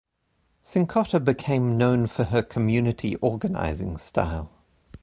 Cincotta became known for her community organizing style.